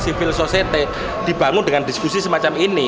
sivil sosete dibangun dengan diskusi semacam ini